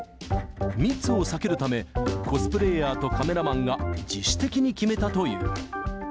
密を避けるため、コスプレイヤーとカメラマンが自主的に決めたという。